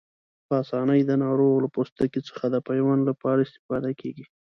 په آسانۍ د ناروغ له پوستکي څخه د پیوند لپاره استفاده کېږي.